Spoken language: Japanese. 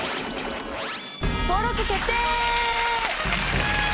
登録決定！